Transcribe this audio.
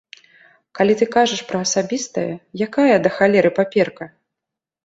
Калі ты кажаш пра асабістае, якая, да халеры, паперка?